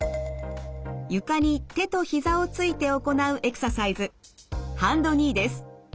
床に手とひざをついて行うエクササイズハンドニーです。